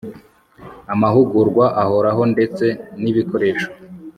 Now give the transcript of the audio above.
amahugurwa ahoraho ndetse n ibikoresho